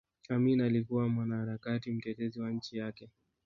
Amin alikuwa mwanaharakati mtetezi wa nchi yake